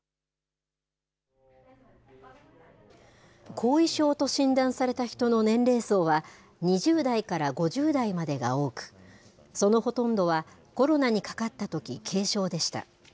後遺症と診断された人の年齢層は、２０代から５０代までが多く、そのほとんどはコロナにかかったとき軽症でした。